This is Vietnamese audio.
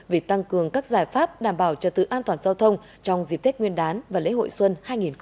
về tăng cường các giải pháp đảm bảo trật tự an toàn giao thông trong dịp tết nguyên đán và lễ hội xuân hai nghìn hai mươi bốn